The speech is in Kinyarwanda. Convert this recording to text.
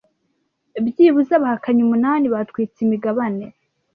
byibuze abahakanyi umunani batwitse imigabane